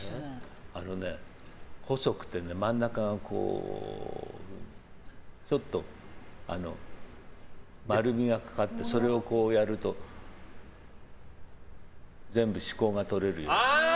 細くて真ん中がこう丸みがかってそれをこうやると全部歯垢が取れるような。